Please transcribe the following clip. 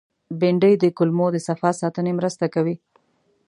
بېنډۍ د کولمو د صفا ساتنې مرسته کوي